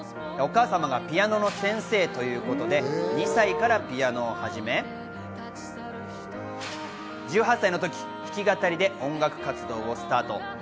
お母様がピアノの先生ということで、２歳からピアノを始め、１８歳の時、弾き語りで音楽活動をスタート。